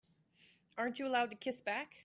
Aren't you allowed to kiss back?